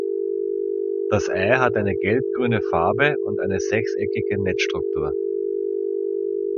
Das Ei hat eine gelbgrüne Farbe und eine sechseckige Netzstruktur.